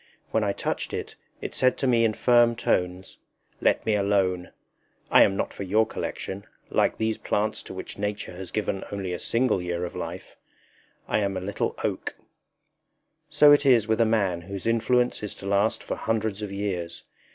When I touched it, it said to me in firm tones: _Let me alone; I am not for your collection, like these plants to which Nature has given only a single year of life. I am a little oak_. So it is with a man whose influence is to last for hundreds of years.